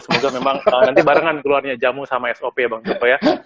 semoga memang nanti barengan keluarnya jamu sama sop ya bang toko ya